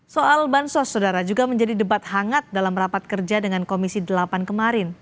soal bansos saudara juga menjadi debat hangat dalam rapat kerja dengan komisi delapan kemarin